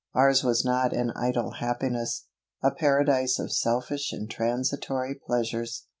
Ours was not an idle happiness, a paradise of selfish and transitory pleasures.